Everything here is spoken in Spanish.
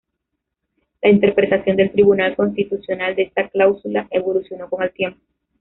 La interpretación del Tribunal Constitucional de esta cláusula evolucionó con el tiempo.